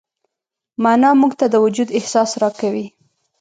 معنی موږ ته د وجود احساس راکوي.